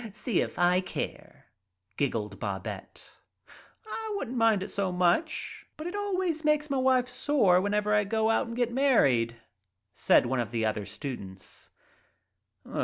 "See if I care," giggled Babette. "I wouldn't mind it so much, but it always makes m' wife sore whenever I go out and get married," said one of the other students.